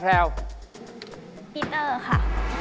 ปิตเตอร์ค่ะ